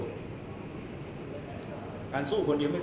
ฮอร์โมนถูกต้องไหม